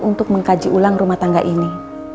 untuk mengkaji ulang rumah tangga ini